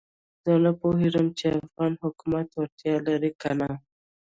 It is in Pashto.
زه نه پوهېږم چې افغان حکومت وړتیا لري کنه.